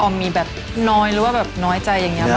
มีแบบน้อยหรือว่าแบบน้อยใจอย่างนี้บ้าง